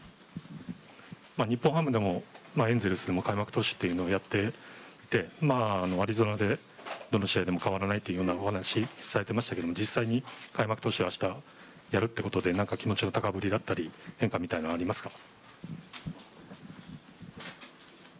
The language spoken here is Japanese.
日本ハムでもエンゼルスでも開幕投手というのをやっていてアリゾナでどの試合でも変わらないというお話しされてましたけど実際に開幕投手を明日やるということで、気持ちの高ぶりだったり変化みたいなのはありますか？